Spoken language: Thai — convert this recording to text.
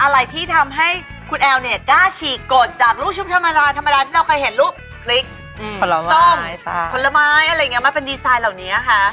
อะไรที่ทำให้คุณแอลเนี่ยกล้าฉีกกฎจากลูกชุบธรรมดาธรรมดาที่เราเคยเห็นลูกพริกส้มผลไม้อะไรอย่างนี้มาเป็นดีไซน์เหล่านี้ค่ะ